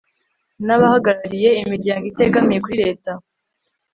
n abahagarariye imiryango itegamiye kuri leta